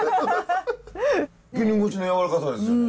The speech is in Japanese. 絹ごしのやわらかさですよね？